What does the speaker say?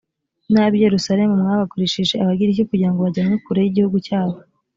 n’ab’i yerusalemu mwabagurishije abagiriki kugira ngo bajyanwe kure y’igihugu cyabo